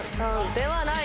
ではない。